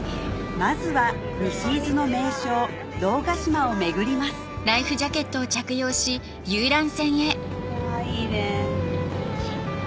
まずは西伊豆の名勝堂ヶ島を巡りますいいね。